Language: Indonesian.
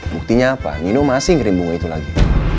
buktinya apa nino masih ngirim bunga itu lagi